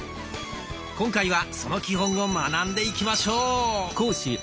今回はその基本を学んでいきましょう。